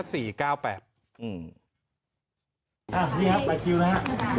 อันนี้ครับบัตรคิวแล้วครับ